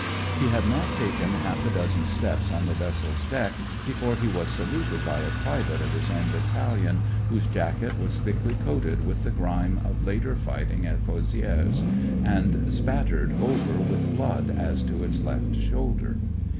He had not taken half a dozen steps on the vessel's deck before he was saluted by a private of his own BattaUon, whose jacket was thickly coated with the grime of later fighting at Pozi^res, 61 62 CLOSE QUARTERS I lift and spattered over with blood, as to its left shoulder.